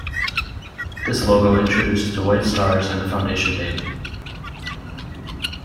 This logo introduced the white stars and the foundation date.